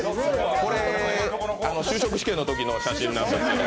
これ就職試験のときの写真なんやけど。